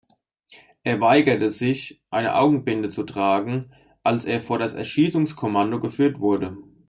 Er weigerte sich, eine Augenbinde zu tragen, als er vor das Erschießungskommando geführt wurde.